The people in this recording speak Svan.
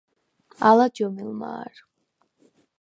ალა ჯჷმილ მა̄რ.